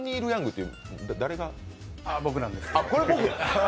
僕なんですけど。